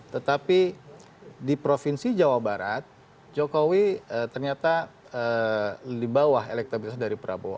tetapi di provinsi jawa barat jokowi ternyata di bawah elektabilitas dari prabowo